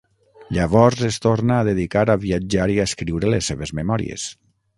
Llavors es torna a dedicar a viatjar i a escriure les seves memòries.